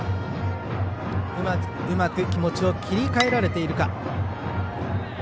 うまく気持ちを切り替えられているか。